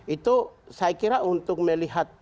itu saya kira untuk melihat